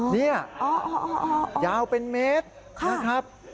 นี่ยาวเป็นเมตร